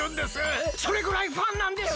それぐらいファンなんです！